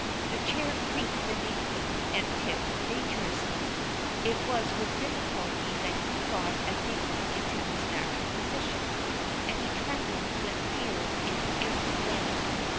The chair creaked beneath him and tipped dangerously. It was with difficulty that he got again into his natural position, and he trembled with fear in every limb.